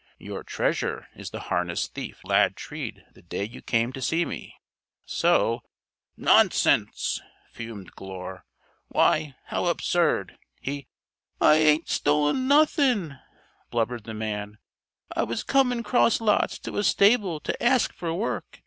Your 'treasure' is the harness thief Lad treed the day you came to see me. So " "Nonsense!" fumed Glure. "Why, how absurd! He " "I hadn't stolen nothing!" blubbered the man. "I was coming cross lots to a stable to ask for work.